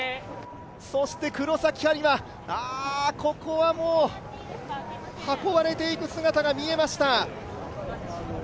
黒崎播磨、ここはもう、運ばれていく姿が見えました。